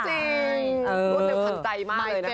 มันเป็นพันใจมากเลยนะครับ